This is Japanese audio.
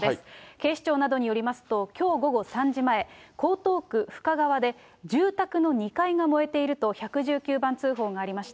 警視庁などによりますと、きょう午後３時前、江東区深川で住宅の２階が燃えていると１１９番通報がありました。